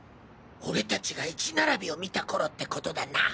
俺たちがイチ並びを見た頃ってことだな！